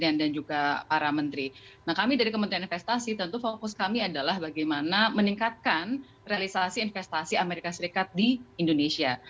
nah kami dari kementerian investasi tentu fokus kami adalah bagaimana meningkatkan realisasi investasi amerika serikat di indonesia